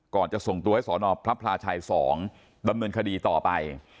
จะส่งตัวให้สนพระพลาชัย๒ดำเนินคดีต่อไป